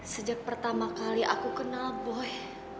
sejak pertama kali aku kenal boy